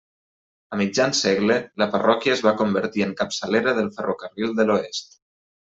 A mitjan segle, la parròquia es va convertir en capçalera del ferrocarril de l'oest.